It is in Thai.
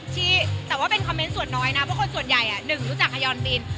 ที่แต่ว่าเป็นคอมเมนต์ส่วนน้อยนะเพราะคนส่วนใหญ่หนึ่งรู้จักฮยอนบิน